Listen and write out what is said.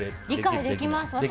理解できます。